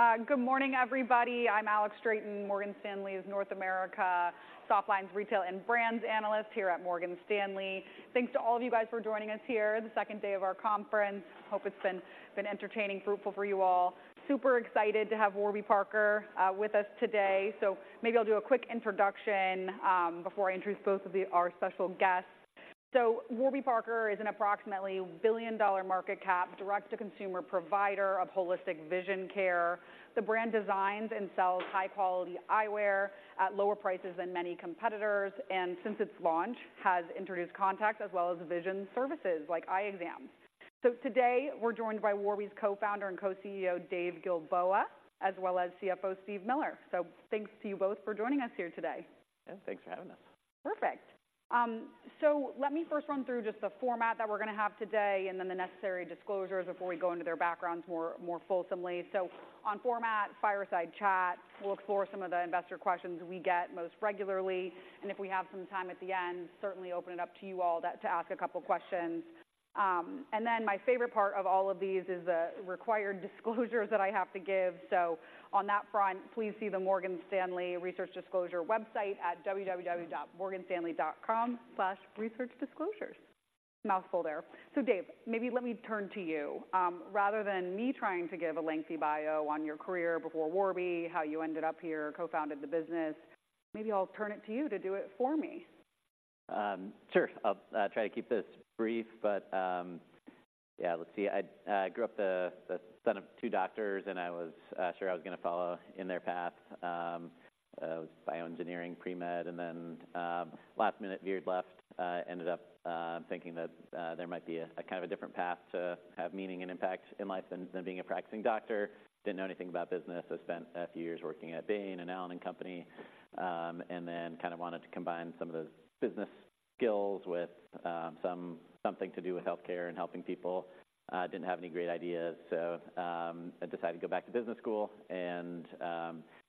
Okay, good morning, everybody. I'm Alex Straton, Morgan Stanley's North America Softlines Retail and Brands analyst here at Morgan Stanley. Thanks to all of you guys for joining us here, the second day of our conference. Hope it's been entertaining, fruitful for you all. Super excited to have Warby Parker with us today. So maybe I'll do a quick introduction before I introduce both of the our special guests. So Warby Parker is an approximately $1 billion market cap, direct-to-consumer provider of holistic vision care. The brand designs and sells high-quality eyewear at lower prices than many competitors, and since its launch, has introduced contacts as well as vision services, like eye exams. So today, we're joined by Warby Parker's Co-Founder and Co-CEO, Dave Gilboa, as well as CFO, Steve Miller. So thanks to you both for joining us here today. Yeah, thanks for having us. Perfect. So let me first run through just the format that we're going to have today and then the necessary disclosures before we go into their backgrounds more fulsomely. So on format, fireside chat, we'll explore some of the investor questions we get most regularly, and if we have some time at the end, certainly open it up to you all to ask a couple questions. And then my favorite part of all of these is the required disclosures that I have to give. So on that front, please see the Morgan Stanley Research Disclosure website at www.morganstanley.com/researchdisclosures. Mouthful there. So Dave, maybe let me turn to you. Rather than me trying to give a lengthy bio on your career before Warby, how you ended up here, co-founded the business, maybe I'll turn it to you to do it for me. Sure. I'll try to keep this brief, but yeah, let's see. I grew up the son of two doctors, and I was sure I was going to follow in their path. It was bioengineering, pre-med, and then last minute veered left. Ended up thinking that there might be a kind of a different path to have meaning and impact in life than being a practicing doctor. Didn't know anything about business, so spent a few years working at Bain & Company and Allen & Company, and then kind of wanted to combine some of those business skills with something to do with healthcare and helping people. Didn't have any great ideas, so I decided to go back to business school and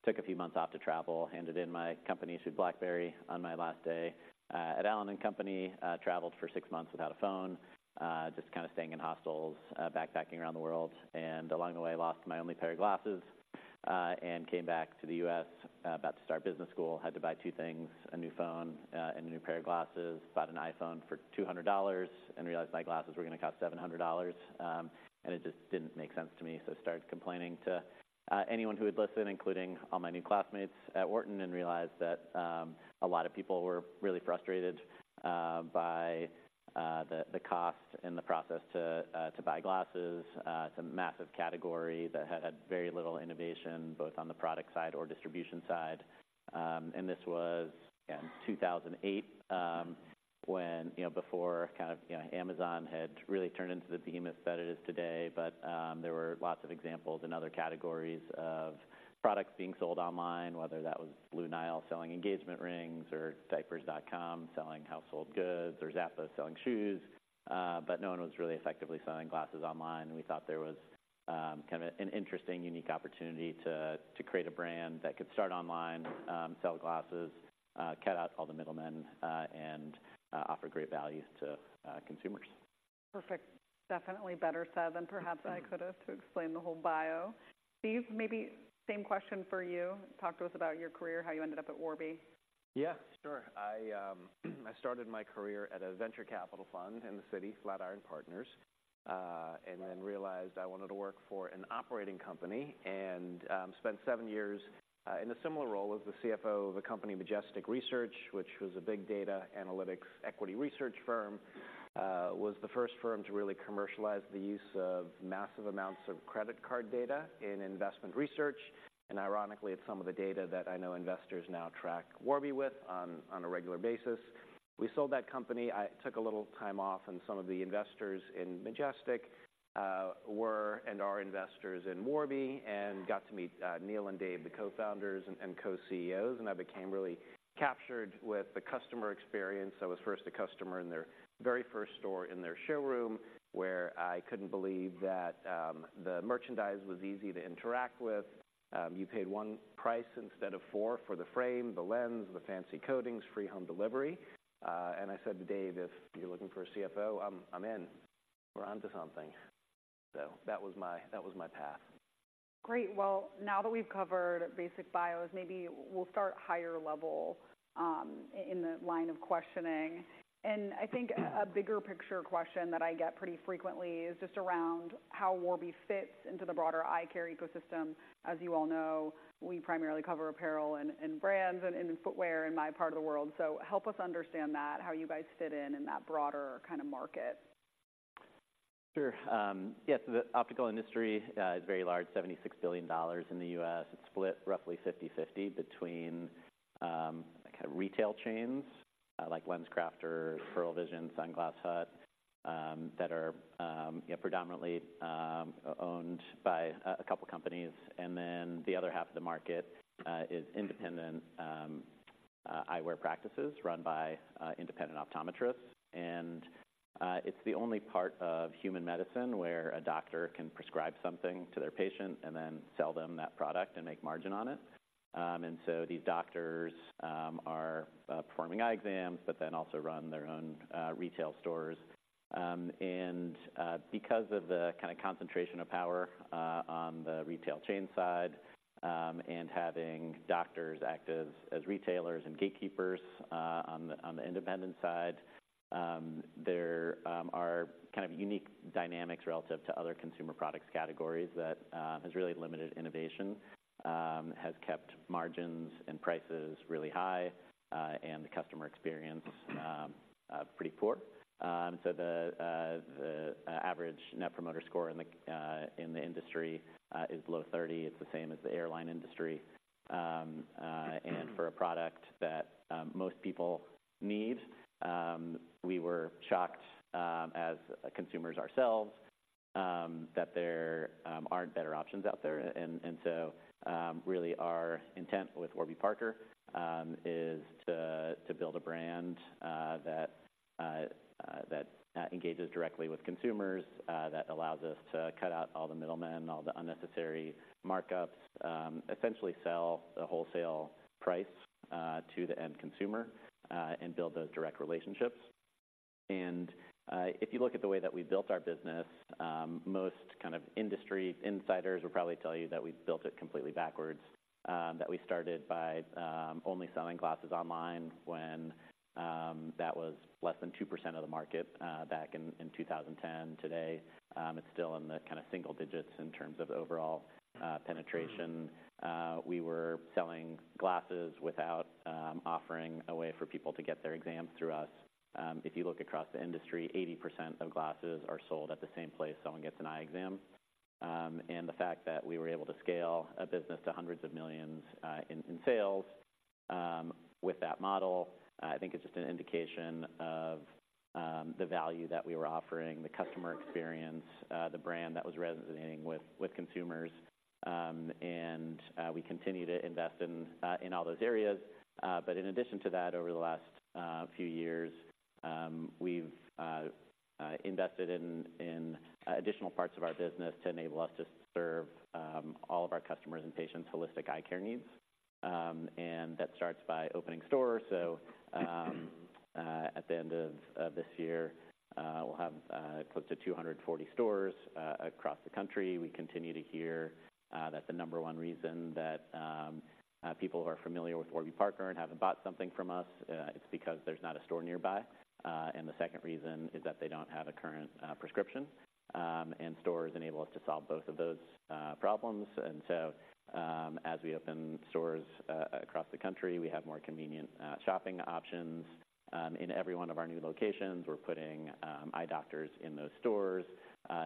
took a few months off to travel. Handed in my company-issued BlackBerry on my last day at Allen & Company. Traveled for six months without a phone, just kind of staying in hostels, backpacking around the world, and along the way, lost my only pair of glasses, and came back to the U.S., about to start business school. Had to buy two things, a new phone, and a new pair of glasses. Bought an iPhone for $200 and realized my glasses were going to cost $700, and it just didn't make sense to me. So I started complaining to anyone who would listen, including all my new classmates at Wharton, and realized that a lot of people were really frustrated by the cost and the process to buy glasses. It's a massive category that had had very little innovation, both on the product side or distribution side. This was in 2008, when you know, before kind of you know, Amazon had really turned into the behemoth that it is today. There were lots of examples in other categories of products being sold online, whether that was Blue Nile selling engagement rings, or Diapers.com selling household goods, or Zappos selling shoes, but no one was really effectively selling glasses online. We thought there was kind of an interesting, unique opportunity to to create a brand that could start online, sell glasses, cut out all the middlemen, and offer great value to consumers. Perfect. Definitely better said than perhaps I could have, to explain the whole bio. Steve, maybe same question for you. Talk to us about your career, how you ended up at Warby. Yeah, sure. I started my career at a venture capital fund in the city, Flatiron Partners, and then realized I wanted to work for an operating company and spent seven years in a similar role as the CFO of a company, Majestic Research, which was a big data analytics equity research firm. Was the first firm to really commercialize the use of massive amounts of credit card data in investment research, and ironically, it's some of the data that I know investors now track Warby with on a regular basis. We sold that company. I took a little time off, and some of the investors in Majestic were, and are investors in Warby, and got to meet Neil and Dave, the co-founders and co-CEOs, and I became really captured with the customer experience. I was first a customer in their very first store, in their showroom, where I couldn't believe that the merchandise was easy to interact with. You paid one price instead of four for the frame, the lens, the fancy coatings, free home delivery. And I said to Dave, "If you're looking for a CFO, I'm in. We're onto something." So that was my path. Great. Well, now that we've covered basic bios, maybe we'll start higher level, in the line of questioning. I think a bigger picture question that I get pretty frequently is just around how Warby fits into the broader eye care ecosystem. As you all know, we primarily cover apparel and, and brands and, and footwear in my part of the world. So help us understand that, how you guys fit in in that broader kind of market. Sure. Yeah, so the optical industry is very large, $76 billion in the U.S. It's split roughly 50/50 between, kind of retail chains, like LensCrafters, Pearle Vision, Sunglass Hut, that are, yeah, predominantly, owned by a couple companies, and then the other half of the market is independent, eyewear practices run by, independent optometrists. It's the only part of human medicine where a doctor can prescribe something to their patient and then sell them that product and make margin on it. So these doctors are, performing eye exams but then also run their own, retail stores.... Because of the kind of concentration of power on the retail chain side, and having doctors act as retailers and gatekeepers on the independent side, there are kind of unique dynamics relative to other consumer products categories that has really limited innovation, has kept margins and prices really high, and the customer experience pretty poor. So the average Net Promoter Score in the industry is low 30. It's the same as the airline industry. And for a product that most people need, we were shocked, as consumers ourselves, that there aren't better options out there. Really our intent with Warby Parker is to build a brand that engages directly with consumers, that allows us to cut out all the middlemen, all the unnecessary markups, essentially sell the wholesale price to the end consumer, and build those direct relationships. If you look at the way that we built our business, most kind of industry insiders will probably tell you that we've built it completely backwards, that we started by only selling glasses online when that was less than 2% of the market back in 2010. Today, it's still in the kind of single digits in terms of overall penetration. We were selling glasses without offering a way for people to get their exams through us. If you look across the industry, 80% of glasses are sold at the same place someone gets an eye exam. And the fact that we were able to scale a business to hundreds of millions in sales with that model, I think it's just an indication of the value that we were offering, the customer experience, the brand that was resonating with consumers. And we continue to invest in all those areas. But in addition to that, over the last few years, we've invested in additional parts of our business to enable us to serve all of our customers' and patients' holistic eye care needs. And that starts by opening stores. So, at the end of this year, we'll have close to 240 stores across the country. We continue to hear that the number one reason that people are familiar with Warby Parker and haven't bought something from us, it's because there's not a store nearby. And the second reason is that they don't have a current prescription, and stores enable us to solve both of those problems. And so, as we open stores across the country, we have more convenient shopping options. In every one of our new locations, we're putting eye doctors in those stores,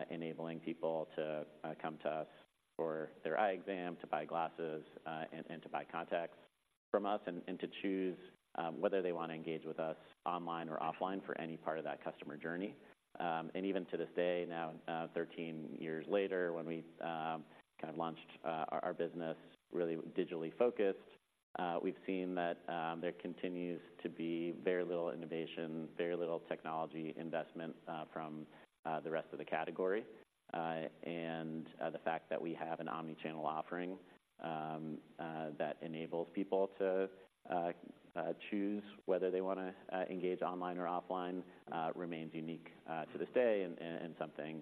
enabling people to come to us for their eye exam, to buy glasses, and to buy contacts from us, and to choose whether they want to engage with us online or offline for any part of that customer journey. And even to this day, now, 13 years later, when we kind of launched our business really digitally focused, we've seen that there continues to be very little innovation, very little technology investment from the rest of the category. And the fact that we have an omni-channel offering that enables people to choose whether they want to engage online or offline remains unique to this day, and something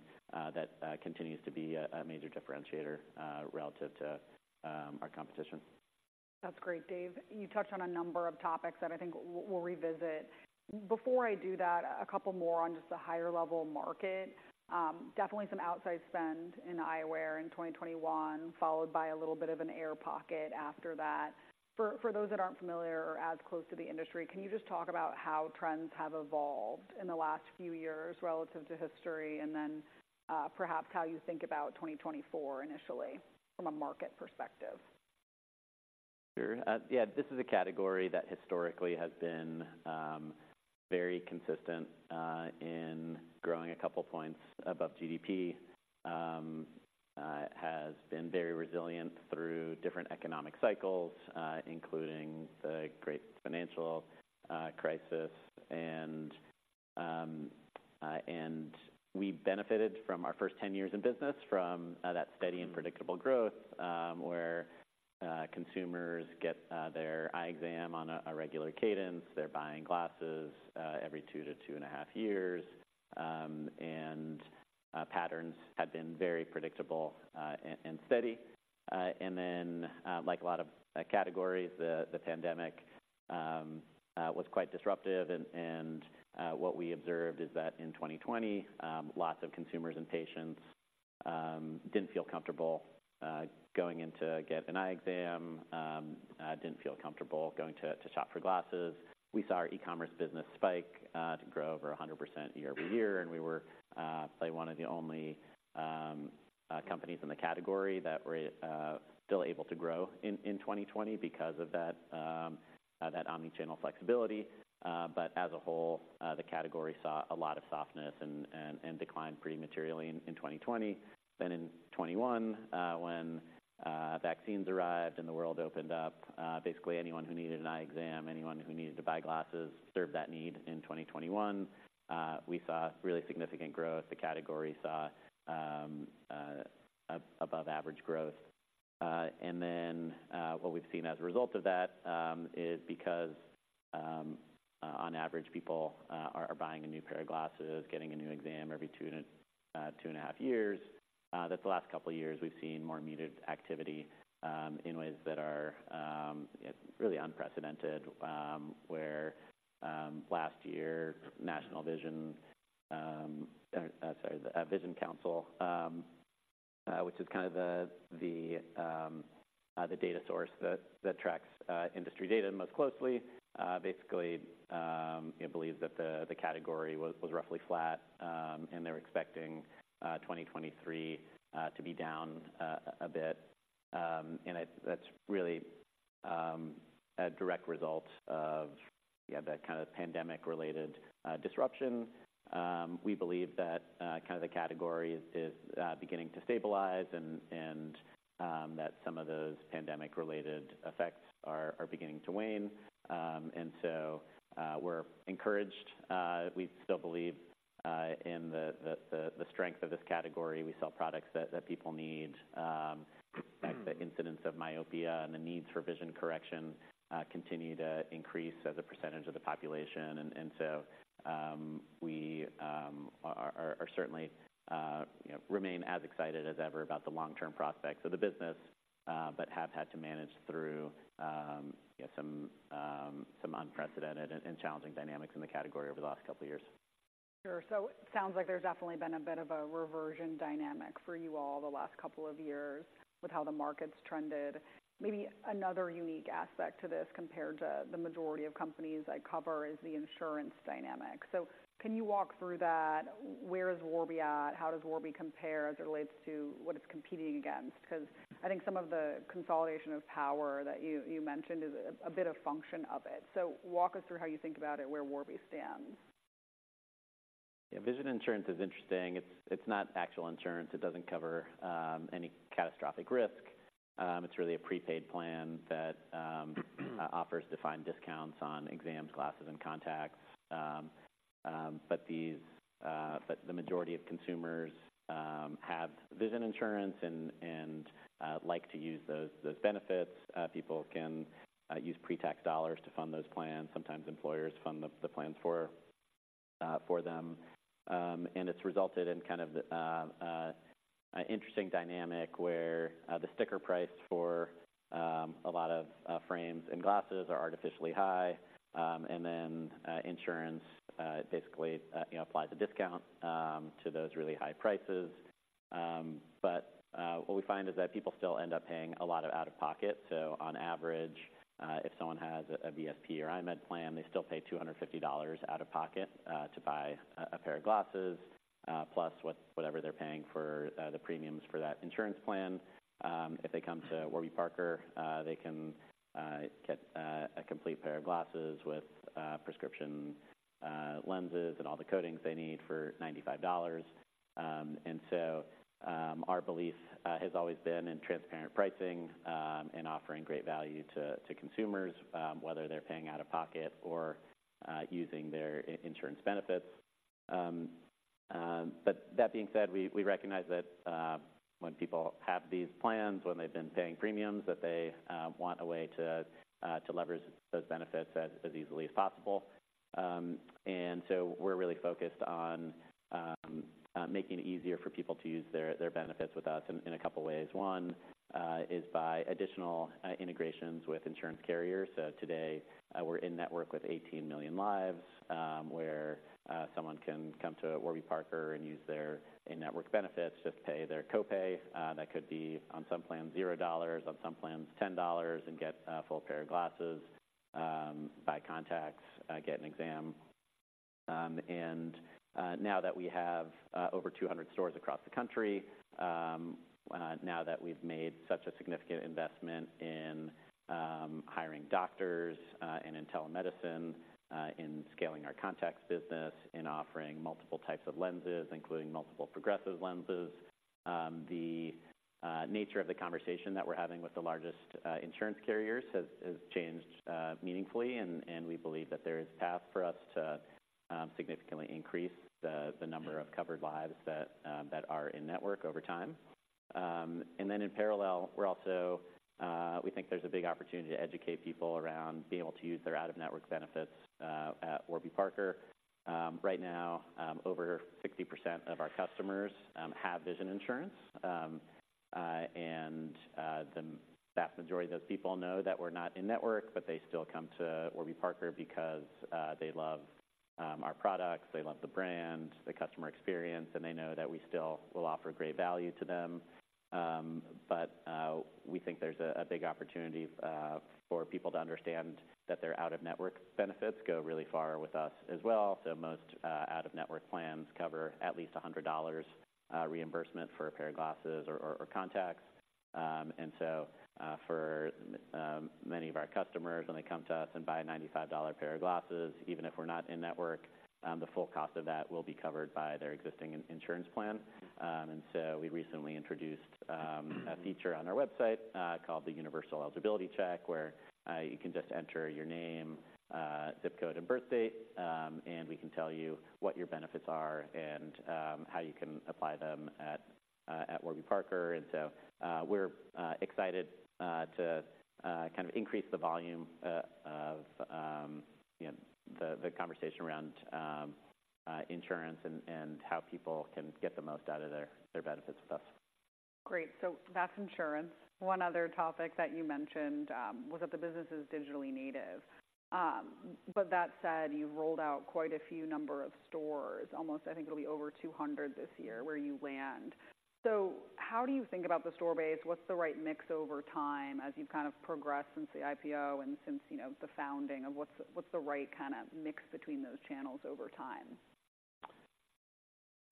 that continues to be a major differentiator relative to our competition. That's great, Dave. You touched on a number of topics that I think we'll revisit. Before I do that, a couple more on just the higher level market. Definitely some outside spend in eyewear in 2021, followed by a little bit of an air pocket after that. For those that aren't familiar or as close to the industry, can you just talk about how trends have evolved in the last few years relative to history, and then perhaps how you think about 2024 initially from a market perspective? Sure. Yeah, this is a category that historically has been very consistent in growing a couple points above GDP. It has been very resilient through different economic cycles, including the great financial crisis. We benefited from our first 10 years in business from that steady and predictable growth, where consumers get their eye exam on a regular cadence. They're buying glasses every 2-2.5 years. Patterns had been very predictable and steady. And then, like a lot of categories, the pandemic was quite disruptive and what we observed is that in 2020, lots of consumers and patients didn't feel comfortable going in to get an eye exam, didn't feel comfortable going to shop for glasses. We saw our e-commerce business spike to grow over 100% year-over-year, and we were probably one of the only companies in the category that were still able to grow in 2020 because of that omni-channel flexibility. But as a whole, the category saw a lot of softness and declined pretty materially in 2020. Then in 2021, when vaccines arrived and the world opened up, basically anyone who needed an eye exam, anyone who needed to buy glasses served that need in 2021. We saw really significant growth. The category saw above average growth. And then, what we've seen as a result of that is because on average, people are buying a new pair of glasses, getting a new exam every two and a half years. That the last couple of years, we've seen more muted activity in ways that are really unprecedented, where last year, National Vision, or sorry, The Vision Council, which is kind of the data source that tracks industry data most closely, basically it believes that the category was roughly flat, and they're expecting 2023 to be down a bit. And that's really a direct result of yeah, that kind of pandemic-related disruption. We believe that the category is beginning to stabilize and that some of those pandemic-related effects are beginning to wane. And so, we're encouraged. We still believe in the strength of this category. We sell products that people need. Mm-hmm. As the incidence of myopia and the needs for vision correction continue to increase as a percentage of the population. And so we are certainly you know remain as excited as ever about the long-term prospects of the business but have had to manage through some unprecedented and challenging dynamics in the category over the last couple of years. Sure. So it sounds like there's definitely been a bit of a reversion dynamic for you all the last couple of years with how the market's trended. Maybe another unique aspect to this, compared to the majority of companies I cover, is the insurance dynamic. So can you walk through that? Where is Warby at? How does Warby compare as it relates to what it's competing against? Because I think some of the consolidation of power that you mentioned is a bit of function of it. So walk us through how you think about it, where Warby stands. Yeah, vision insurance is interesting. It's not actual insurance. It doesn't cover any catastrophic risk. It's really a prepaid plan that offers defined discounts on exams, glasses, and contacts. But the majority of consumers have vision insurance and like to use those benefits. People can use pre-tax dollars to fund those plans. Sometimes employers fund the plans for them. And it's resulted in kind of an interesting dynamic where the sticker price for a lot of frames and glasses are artificially high, and then insurance basically you know applies a discount to those really high prices. But what we find is that people still end up paying a lot of out-of-pocket. On average, if someone has a VSP or EyeMed plan, they still pay $250 out of pocket to buy a pair of glasses, plus whatever they're paying for the premiums for that insurance plan. If they come to Warby Parker, they can get a complete pair of glasses with prescription lenses and all the coatings they need for $95. And so, our belief has always been in transparent pricing and offering great value to consumers, whether they're paying out of pocket or using their insurance benefits. But that being said, we recognize that when people have these plans, when they've been paying premiums, that they want a way to leverage those benefits as easily as possible. So we're really focused on making it easier for people to use their benefits with us in a couple of ways. One is by additional integrations with insurance carriers. So today, we're in-network with 18 million lives, where someone can come to Warby Parker and use their in-network benefits, just pay their copay. That could be, on some plans, $0, on some plans, $10, and get a full pair of glasses, buy contacts, get an exam. And now that we have over 200 stores across the country, now that we've made such a significant investment in hiring doctors and in telemedicine, in scaling our contacts business, in offering multiple types of lenses, including multiple progressive lenses, the nature of the conversation that we're having with the largest insurance carriers has changed meaningfully, and we believe that there is path for us to significantly increase the number of covered lives that are in network over time. And then in parallel, we're also, we think there's a big opportunity to educate people around being able to use their out-of-network benefits at Warby Parker. Right now, over 60% of our customers have vision insurance. The vast majority of those people know that we're not in-network, but they still come to Warby Parker because they love our products, they love the brand, the customer experience, and they know that we still will offer great value to them. But we think there's a big opportunity for people to understand that their out-of-network benefits go really far with us as well. So most out-of-network plans cover at least $100 reimbursement for a pair of glasses or contacts. And so, for many of our customers, when they come to us and buy a $95 pair of glasses, even if we're not in-network, the full cost of that will be covered by their existing insurance plan. We recently introduced a feature on our website called the Universal Eligibility Check, where you can just enter your name, zip code, and birthdate, and we can tell you what your benefits are and how you can apply them at Warby Parker. We're excited to kind of increase the volume of you know the conversation around insurance and how people can get the most out of their benefits with us. Great, so that's insurance. One other topic that you mentioned was that the business is digitally native. But that said, you've rolled out quite a few number of stores, almost, I think it'll be over 200 this year, where you land. So how do you think about the store base? What's the right mix over time as you've kind of progressed since the IPO and since, you know, the founding, of what's, what's the right kind of mix between those channels over time?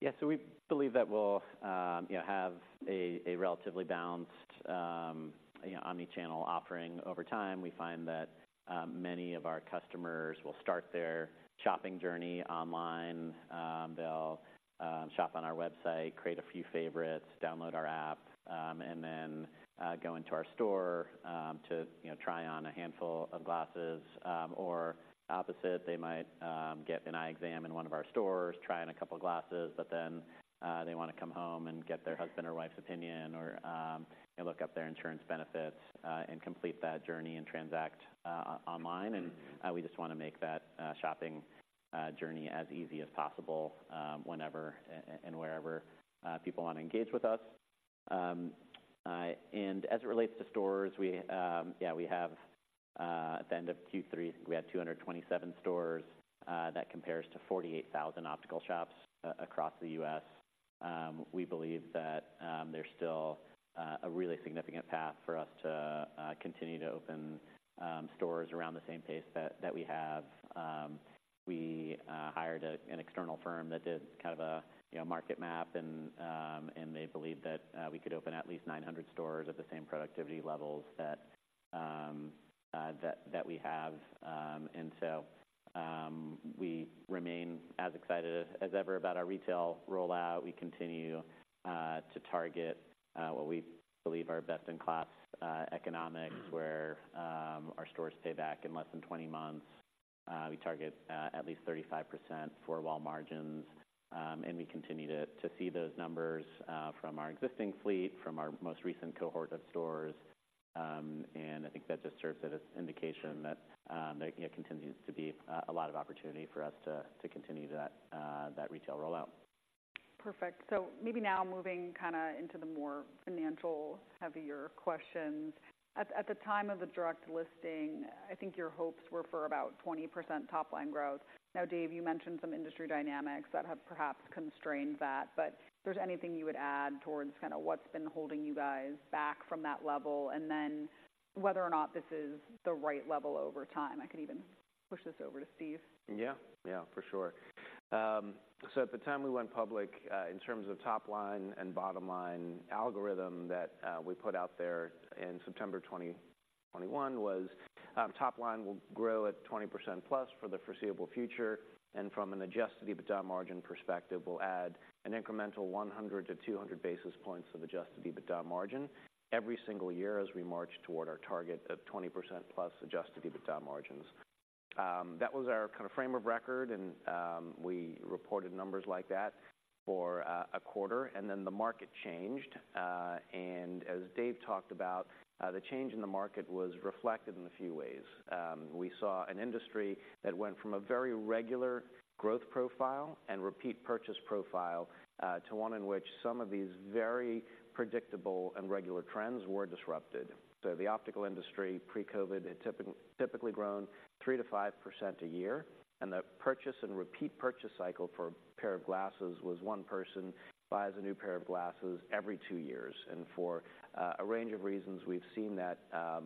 Yeah, so we believe that we'll, you know, have a relatively balanced, you know, omni-channel offering over time. We find that many of our customers will start their shopping journey online, they'll shop on our website, create a few favorites, download our app, and then go into our store to, you know, try on a handful of glasses. Or opposite, they might get an eye exam in one of our stores, try on a couple glasses, but then they want to come home and get their husband or wife's opinion or look up their insurance benefits and complete that journey and transact online. And we just want to make that shopping journey as easy as possible whenever and wherever people want to engage with us. As it relates to stores, we, yeah, we have, at the end of Q3, we had 227 stores, that compares to 48,000 optical shops across the U.S. We believe that, there's still a really significant path for us to continue to open stores around the same pace that we have. We hired an external firm that did kind of a, you know, market map, and they believed that we could open at least 900 stores at the same productivity levels that we have. And so, we remain as excited as ever about our retail rollout. We continue to target what we believe are best-in-class economics, where our stores pay back in less than 20 months. We target at least 35% for four-wall margins, and we continue to see those numbers from our existing fleet, from our most recent cohort of stores. I think that just serves as an indication that it continues to be a lot of opportunity for us to continue that retail rollout. Perfect. So maybe now moving kind of into the more financial heavier questions. At the time of the direct listing, I think your hopes were for about 20% top line growth. Now, Dave, you mentioned some industry dynamics that have perhaps constrained that, but if there's anything you would add towards kind of what's been holding you guys back from that level, and then whether or not this is the right level over time? I could even push this over to Steve. Yeah. Yeah, for sure. So at the time we went public, in terms of top line and bottom line algorithm that we put out there in September 2021, was, top line will grow at 20%+ for the foreseeable future, and from an Adjusted EBITDA margin perspective, we'll add an incremental 100-200 basis points of Adjusted EBITDA margin every single year as we march toward our target of 20%+ Adjusted EBITDA margins. That was our kind of frame of record, and, we reported numbers like that for, a quarter, and then the market changed. And as Dave talked about, the change in the market was reflected in a few ways. We saw an industry that went from a very regular growth profile and repeat purchase profile to one in which some of these very predictable and regular trends were disrupted. So the optical industry, pre-COVID, had typically grown 3%-5% a year, and the purchase and repeat purchase cycle for a pair of glasses was one person buys a new pair of glasses every two years. For a range of reasons, we've seen that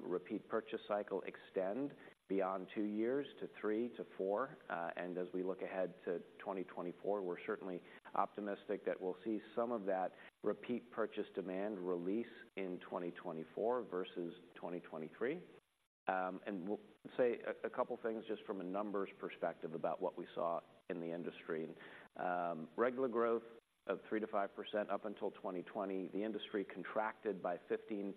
repeat purchase cycle extend beyond two years to three, to four. As we look ahead to 2024, we're certainly optimistic that we'll see some of that repeat purchase demand release in 2024 versus 2023. We'll say a couple things just from a numbers perspective about what we saw in the industry. Regular growth of 3%-5% up until 2020, the industry contracted by 15%.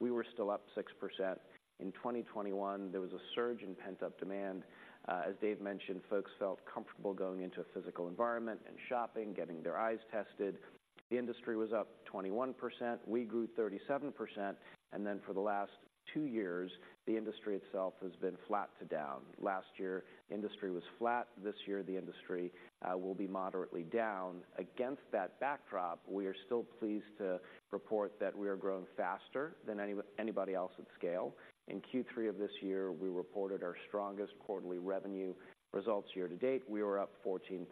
We were still up 6%. In 2021, there was a surge in pent-up demand. As Dave mentioned, folks felt comfortable going into a physical environment and shopping, getting their eyes tested. The industry was up 21%, we grew 37%, and then for the last two years, the industry itself has been flat to down. Last year, industry was flat. This year, the industry will be moderately down. Against that backdrop, we are still pleased to report that we are growing faster than anybody else at scale. In Q3 of this year, we reported our strongest quarterly revenue results. Year to date, we were up 14%.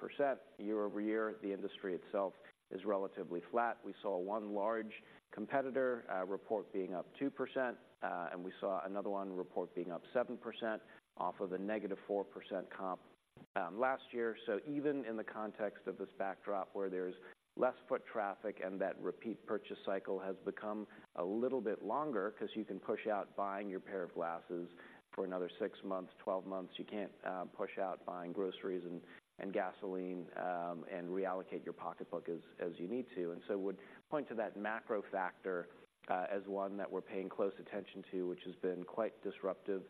Year-over-year, the industry itself is relatively flat. We saw one large competitor, report being up 2%, and we saw another one report being up 7% off of a -4% comp, last year. So even in the context of this backdrop, where there's less foot traffic and that repeat purchase cycle has become a little bit longer, because you can push out buying your pair of glasses for another six months, twelve months, you can't, push out buying groceries and, and gasoline, and reallocate your pocketbook as, as you need to. And so would point to that macro factor, as one that we're paying close attention to, which has been quite disruptive,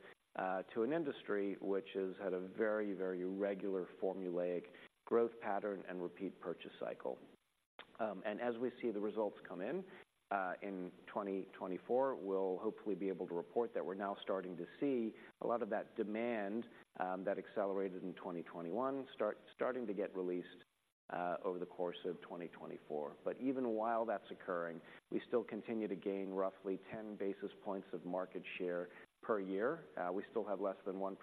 to an industry which has had a very, very regular formulaic growth pattern and repeat purchase cycle. And as we see the results come in, in 2024, we'll hopefully be able to report that we're now starting to see a lot of that demand that accelerated in 2021 starting to get released over the course of 2024. But even while that's occurring, we still continue to gain roughly 10 basis points of market share per year. We still have less than 1%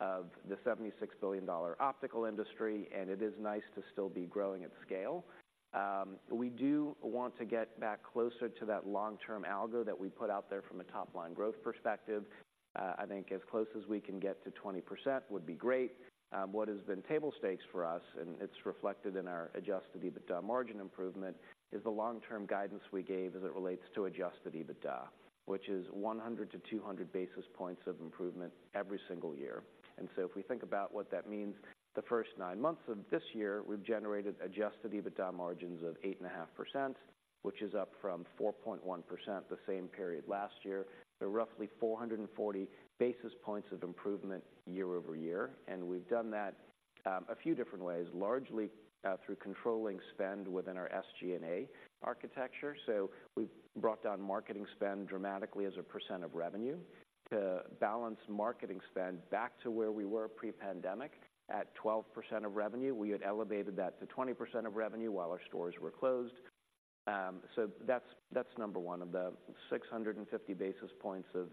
of the $76 billion optical industry, and it is nice to still be growing at scale. We do want to get back closer to that long-term algo that we put out there from a top-line growth perspective. I think as close as we can get to 20% would be great. What has been table stakes for us, and it's reflected in our Adjusted EBITDA margin improvement, is the long-term guidance we gave as it relates to Adjusted EBITDA, which is 100-200 basis points of improvement every single year. And so if we think about what that means, the first nine months of this year, we've generated Adjusted EBITDA margins of 8.5%, which is up from 4.1%, the same period last year, so roughly 440 basis points of improvement year-over-year. And we've done that, a few different ways, largely, through controlling spend within our SG&A architecture. So we've brought down marketing spend dramatically as a percent of revenue to balance marketing spend back to where we were pre-pandemic at 12% of revenue. We had elevated that to 20% of revenue while our stores were closed. So that's number one. Of the 650 basis points of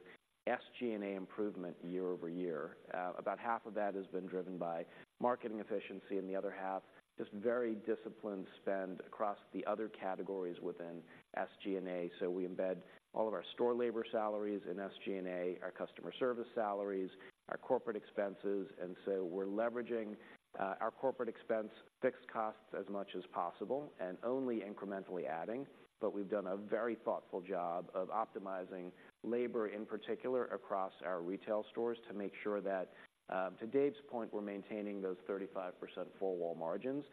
SG&A improvement year-over-year, about half of that has been driven by marketing efficiency, and the other half, just very disciplined spend across the other categories within SG&A. So we embed all of our store labor salaries in SG&A, our customer service salaries, our corporate expenses. And so we're leveraging our corporate expense fixed costs as much as possible and only incrementally adding. But we've done a very thoughtful job of optimizing labor, in particular, across our retail stores to make sure that, to Dave's point, we're maintaining those 35% four-wall margins,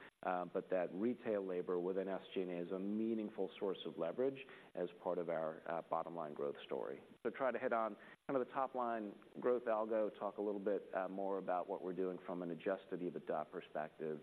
but that retail labor within SG&A is a meaningful source of leverage as part of our bottom line growth story. So try to hit on kind of the top line growth algo, talk a little bit, more about what we're doing from an Adjusted EBITDA perspective,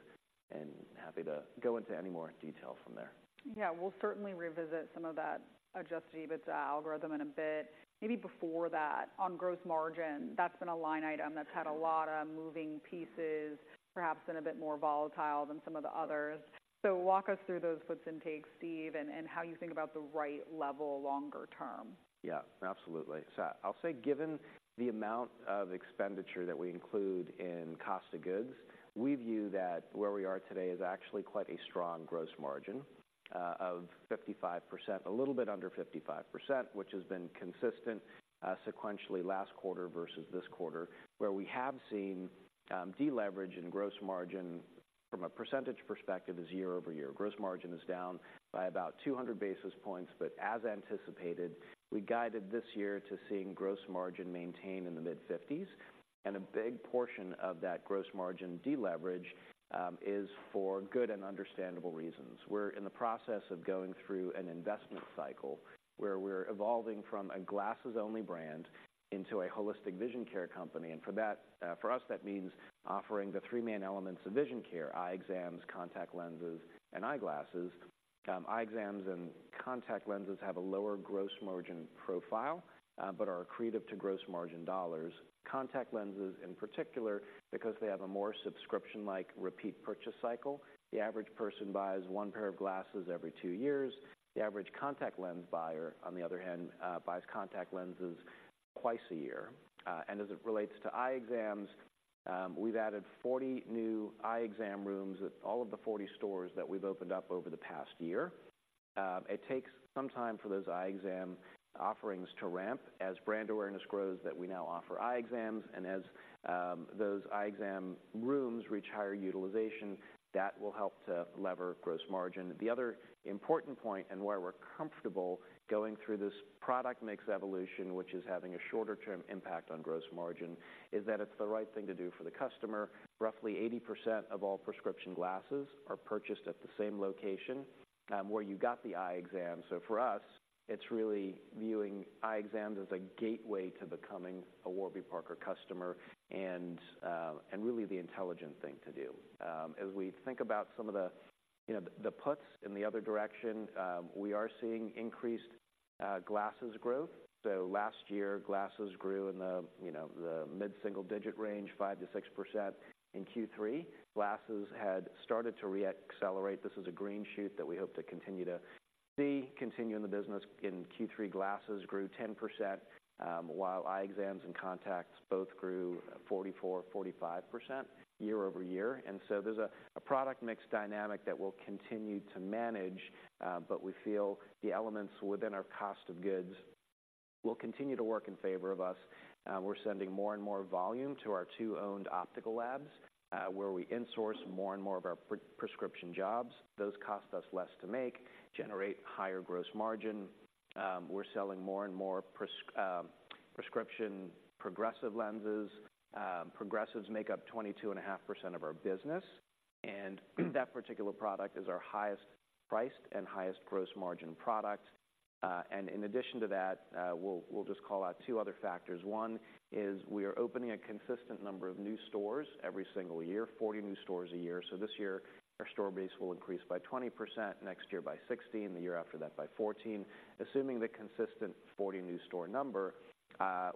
and happy to go into any more detail from there. Yeah, we'll certainly revisit some of that Adjusted EBITDA algorithm in a bit. Maybe before that, on gross margin, that's been a line item that's had a lot of moving pieces, perhaps been a bit more volatile than some of the others. So walk us through those puts and takes, Steve, and, and how you think about the right level longer term. Yeah, absolutely. So I'll say, given the amount of expenditure that we include in cost of goods, we view that where we are today is actually quite a strong gross margin of 55%, a little bit under 55%, which has been consistent sequentially last quarter versus this quarter, where we have seen deleverage in gross margin from a percentage perspective is year-over-year. Gross margin is down by about 200 basis points, but as anticipated, we guided this year to seeing gross margin maintain in the mid-50s. And a big portion of that gross margin deleverage is for good and understandable reasons. We're in the process of going through an investment cycle where we're evolving from a glasses-only brand into a holistic vision care company. And for that, for us, that means offering the three main elements of vision care, eye exams, contact lenses, and eyeglasses. Eye exams and contact lenses have a lower gross margin profile, but are accretive to gross margin dollars. Contact lenses, in particular, because they have a more subscription-like, repeat purchase cycle. The average person buys one pair of glasses every two years. The average contact lens buyer, on the other hand, buys contact lenses twice a year. And as it relates to eye exams, we've added 40 new eye exam rooms at all of the 40 stores that we've opened up over the past year. It takes some time for those eye exam offerings to ramp as brand awareness grows, that we now offer eye exams, and as those eye exam rooms reach higher utilization, that will help to lever gross margin. The other important point, and why we're comfortable going through this product mix evolution, which is having a shorter-term impact on gross margin, is that it's the right thing to do for the customer. Roughly 80% of all prescription glasses are purchased at the same location where you got the eye exam. So for us, it's really viewing eye exams as a gateway to becoming a Warby Parker customer and, and really the intelligent thing to do. As we think about some of the, you know, the puts in the other direction, we are seeing increased glasses growth. So last year, glasses grew in the, you know, the mid-single-digit range, 5%-6%. In Q3, glasses had started to reaccelerate. This is a green shoot that we hope to continue to see continue in the business. In Q3, glasses grew 10%, while eye exams and contacts both grew 44%-45% year-over-year. And so there's a product mix dynamic that we'll continue to manage, but we feel the elements within our cost of goods will continue to work in favor of us. We're sending more and more volume to our two owned optical labs, where we insource more and more of our prescription jobs. Those cost us less to make, generate higher gross margin. We're selling more and more prescription progressive lenses. Progressives make up 22.5% of our business, and that particular product is our highest priced and highest gross margin product. In addition to that, we'll just call out two other factors. One is we are opening a consistent number of new stores every single year, 40 new stores a year. So this year, our store base will increase by 20%, next year by 16%, the year after that by 14%. Assuming the consistent 40 new store number,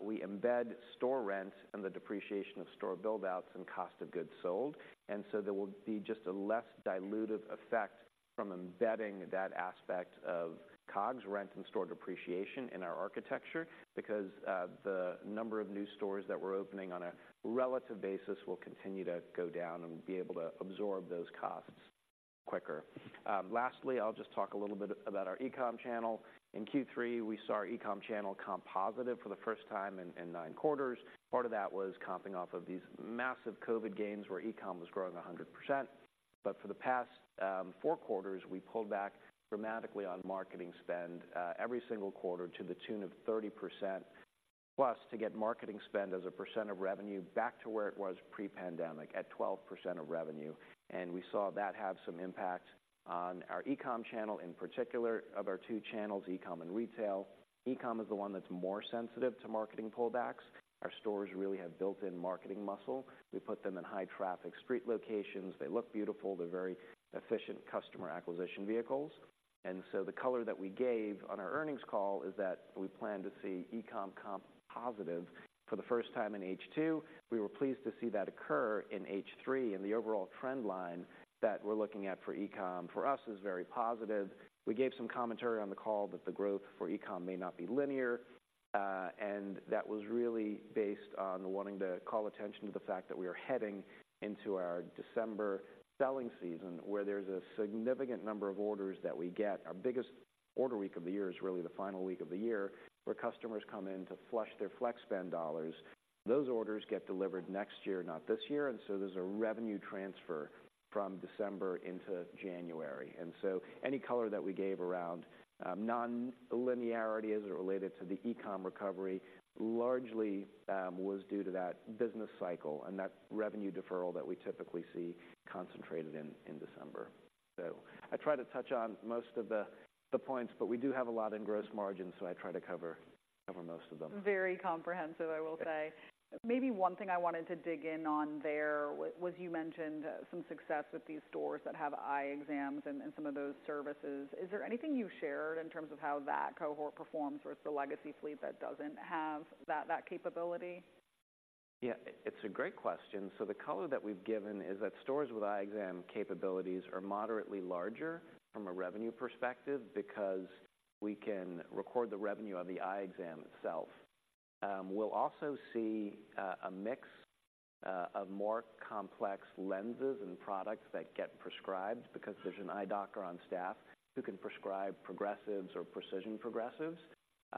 we embed store rent and the depreciation of store buildouts and cost of goods sold. And so there will be just a less dilutive effect from embedding that aspect of COGS rent and store depreciation in our architecture, because the number of new stores that we're opening on a relative basis will continue to go down and be able to absorb those costs quicker. Lastly, I'll just talk a little bit about our e-com channel. In Q3, we saw our e-com channel comp positive for the first time in nine quarters. Part of that was comping off of these massive COVID gains, where e-com was growing 100%. But for the past four quarters, we pulled back dramatically on marketing spend every single quarter to the tune of 30% plus to get marketing spend as a percent of revenue back to where it was pre-pandemic at 12% of revenue. We saw that have some impact on our e-com channel in particular. Of our two channels, e-com and retail, e-com is the one that's more sensitive to marketing pullbacks. Our stores really have built-in marketing muscle. We put them in high traffic street locations. They look beautiful. They're very efficient customer acquisition vehicles. And so the color that we gave on our earnings call is that we plan to see e-com comp positive for the first time in H2. We were pleased to see that occur in H3, and the overall trend line that we're looking at for e-com for us is very positive. We gave some commentary on the call that the growth for e-com may not be linear, and that was really based on wanting to call attention to the fact that we are heading into our December selling season, where there's a significant number of orders that we get. Our biggest order week of the year is really the final week of the year, where customers come in to flush their flex spend dollars. Those orders get delivered next year, not this year, and so there's a revenue transfer from December into January. And so any color that we gave around non-linearity as it related to the e-com recovery, largely, was due to that business cycle and that revenue deferral that we typically see concentrated in December. So I tried to touch on most of the points, but we do have a lot in gross margins, so I tried to cover most of them. Very comprehensive, I will say. Maybe one thing I wanted to dig in on there was you mentioned some success with these stores that have eye exams and some of those services. Is there anything you shared in terms of how that cohort performs versus the legacy fleet that doesn't have that capability? Yeah, it's a great question. So the color that we've given is that stores with eye exam capabilities are moderately larger from a revenue perspective because we can record the revenue of the eye exam itself. We'll also see a mix of more complex lenses and products that get prescribed because there's an eye doctor on staff who can prescribe progressives or precision progressives.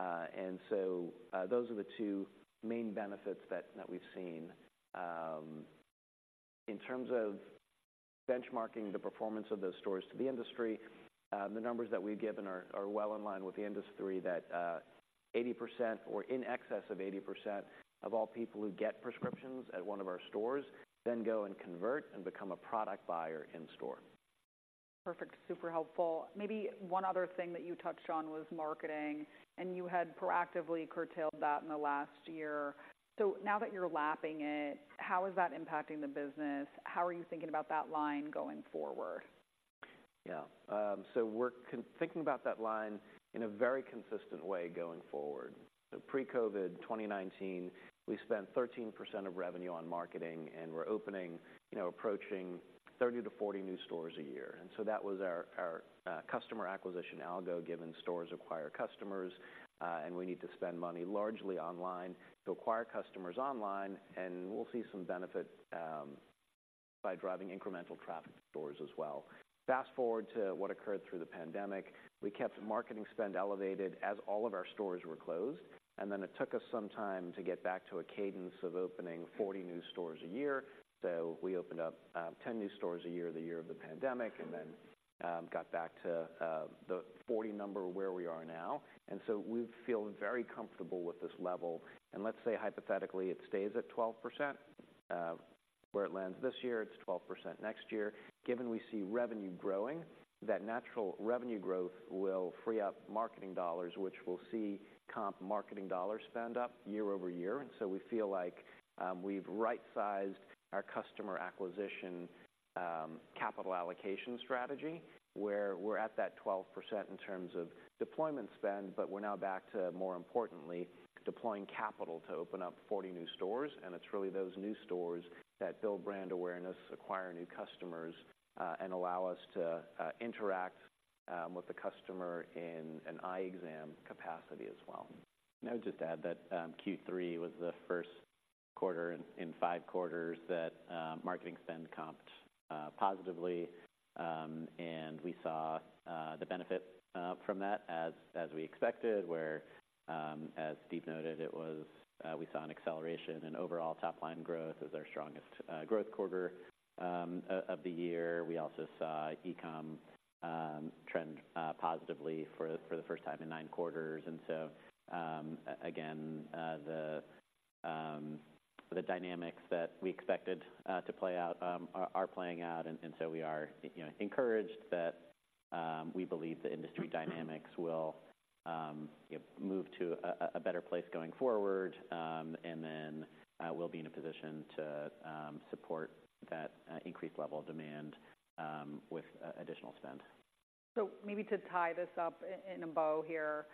And so those are the two main benefits that we've seen. In terms of benchmarking the performance of those stores to the industry, the numbers that we've given are well in line with the industry, that 80% or in excess of 80% of all people who get prescriptions at one of our stores, then go and convert and become a product buyer in store. Perfect. Super helpful. Maybe one other thing that you touched on was marketing, and you had proactively curtailed that in the last year. So now that you're lapping it, how is that impacting the business? How are you thinking about that line going forward? Yeah. So we're thinking about that line in a very consistent way going forward. So pre-COVID, 2019, we spent 13% of revenue on marketing, and we're opening, you know, approaching 30-40 new stores a year. And so that was our customer acquisition algo, given stores acquire customers, and we need to spend money largely online to acquire customers online, and we'll see some benefit by driving incremental traffic to stores as well. Fast forward to what occurred through the pandemic. We kept marketing spend elevated as all of our stores were closed, and then it took us some time to get back to a cadence of opening 40 new stores a year. So we opened up 10 new stores a year, the year of the pandemic, and then got back to the 40 number, where we are now. And so we feel very comfortable with this level. And let's say, hypothetically, it stays at 12%, where it lands this year, it's 12% next year. Given we see revenue growing, that natural revenue growth will free up marketing dollars, which will see comp marketing dollars spend up year-over-year. And so we feel like we've right-sized our customer acquisition capital allocation strategy, where we're at that 12% in terms of deployment spend, but we're now back to, more importantly, deploying capital to open up 40 new stores. It's really those new stores that build brand awareness, acquire new customers, and allow us to interact with the customer in an eye exam capacity as well. I would just add that Q3 was the first quarter in five quarters that marketing spend comped positively. We saw the benefit from that as we expected, where, as Steve noted, it was we saw an acceleration in overall top line growth as our strongest growth quarter of the year. We also saw e-com trend positively for the first time in nine quarters. And so, again, the dynamics that we expected to play out are playing out, and so we are, you know, encouraged that we believe the industry dynamics will move to a better place going forward, and then we'll be in a position to support that increased level of demand with additional spend. So maybe to tie this up in a bow here,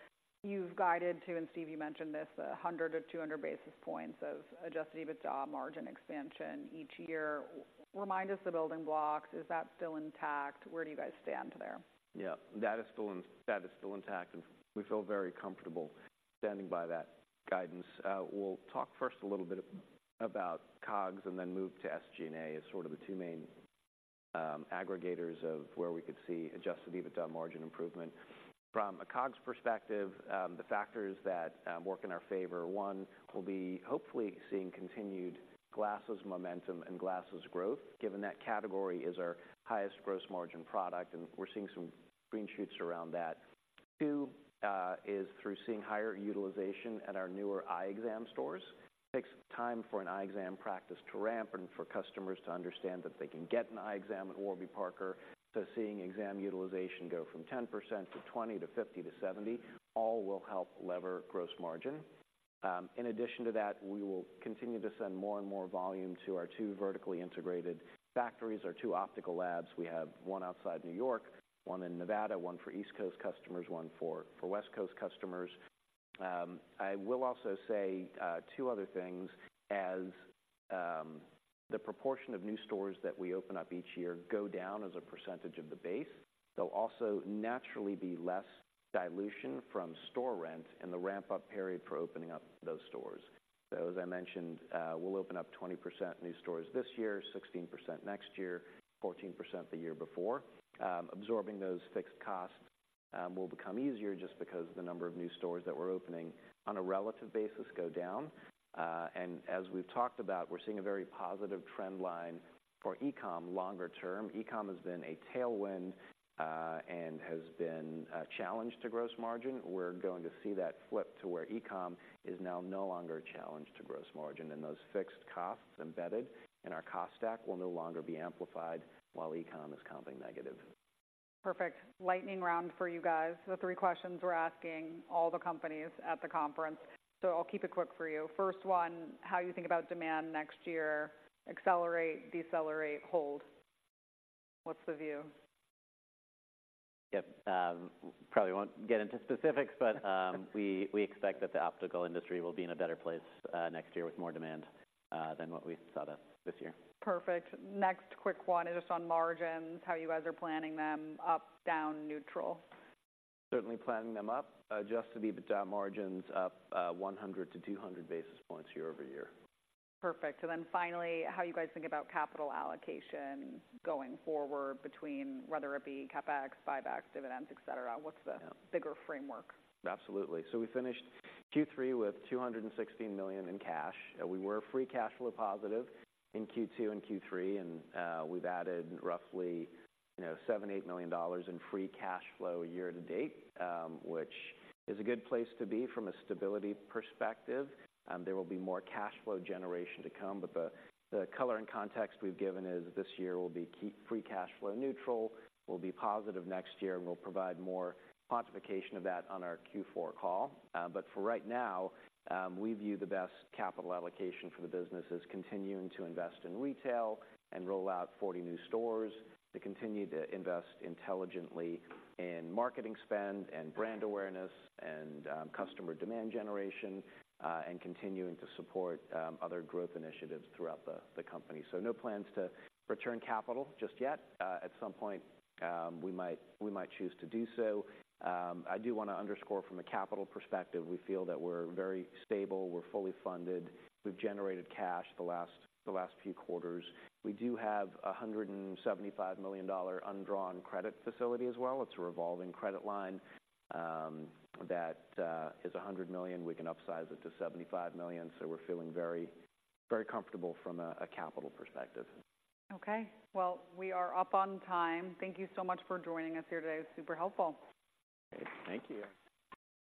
you've guided to, and Steve, you mentioned this, 100-200 basis points of Adjusted EBITDA margin expansion each year. Remind us the building blocks, is that still intact? Where do you guys stand there? Yeah, that is still intact, and we feel very comfortable standing by that guidance. We'll talk first a little bit about COGS and then move to SG&A as sort of the two main aggregators of where we could see adjusted EBITDA margin improvement. From a COGS perspective, the factors that work in our favor one we'll be hopefully seeing continued glasses momentum and glasses growth, given that category is our highest gross margin product, and we're seeing some green shoots around that. Two, is through seeing higher utilization at our newer eye exam stores. Takes time for an eye exam practice to ramp and for customers to understand that they can get an eye exam at Warby Parker. So seeing exam utilization go from 10% to 20% to 50% to 70%, all will help leverage gross margin. In addition to that, we will continue to send more and more volume to our two vertically integrated factories, our two optical labs. We have one outside New York, one in Nevada, one for East Coast customers, one for West Coast customers. I will also say two other things. As the proportion of new stores that we open up each year go down as a percentage of the base, they'll also naturally be less dilution from store rent and the ramp-up period for opening up those stores. So as I mentioned, we'll open up 20% new stores this year, 16% next year, 14% the year before. Absorbing those fixed costs will become easier just because the number of new stores that we're opening on a relative basis go down. As we've talked about, we're seeing a very positive trend line for e-com longer term. E-com has been a tailwind, and has been a challenge to gross margin. We're going to see that flip to where e-com is now no longer a challenge to gross margin, and those fixed costs embedded in our cost stack will no longer be amplified while e-com is comping negative. Perfect. Lightning round for you guys. The three questions we're asking all the companies at the conference, so I'll keep it quick for you. First one, how you think about demand next year? Accelerate, decelerate, hold. What's the view? Yep. Probably won't get into specifics, but we expect that the optical industry will be in a better place next year with more demand than what we saw this year. Perfect. Next quick one is just on margins, how you guys are planning them, up, down, neutral? Certainly planning them up. Adjusted EBITDA margins up 100-200 basis points year-over-year. Perfect. So then finally, how you guys think about capital allocation going forward between whether it be CapEx, buybacks, dividends, et cetera? What's the bigger framework? Absolutely. So we finished Q3 with $216 million in cash. We were free cash flow positive in Q2 and Q3, and we've added roughly, you know, $7 million-$8 million in free cash flow year to date, which is a good place to be from a stability perspective. There will be more cash flow generation to come, but the color and context we've given is this year will be keep free cash flow neutral. We'll be positive next year, and we'll provide more quantification of that on our Q4 call. But for right now, we view the best capital allocation for the business is continuing to invest in retail and roll out 40 new stores, to continue to invest intelligently in marketing spend and brand awareness and, customer demand generation, and continuing to support, other growth initiatives throughout the company. So no plans to return capital just yet. At some point, we might, we might choose to do so. I do wanna underscore from a capital perspective, we feel that we're very stable, we're fully funded. We've generated cash the last few quarters. We do have a $175 million undrawn credit facility as well. It's a revolving credit line, that is $100 million. We can upsize it to $75 million. So we're feeling very, very comfortable from a capital perspective. Okay. Well, we are up on time. Thank you so much for joining us here today. Super helpful. Great. Thank you.